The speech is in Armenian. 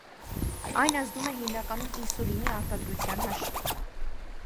Այն ազդում է հիմնականում ինսուլինի արտադրության հաշվին։